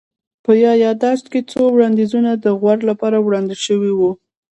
په يا ياداشت کي څو وړانديزونه د غور لپاره وړاندي سوي وه